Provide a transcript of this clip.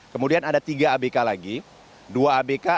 kemudian ada tiga abk lainnya